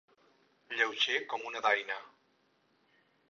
Lleuger com una daina.